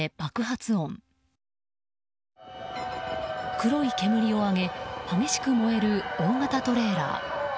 黒い煙を上げ激しく燃える大型トレーラー。